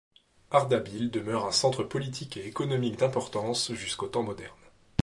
Ardabil demeure un centre politique et économique d'importance jusqu'aux temps modernes.